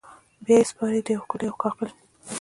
بیا یې سپاري د یو ښکلي اوښاغلي